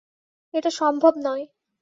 এটা সম্ভব নয়।